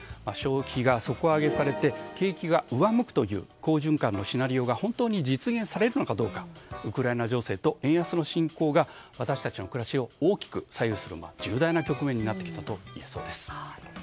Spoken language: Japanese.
消費が底上げされて景気が上向くという好循環のシナリオが本当に実現されるのかどうかウクライナ情勢と円安の進行が私たちの暮らしを大きく左右する重大な局面になってきたといえそうです。